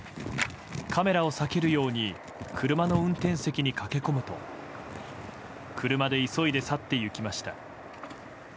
カメラを避けるように車の運転席に駆け込むと車で急いで去っていきました。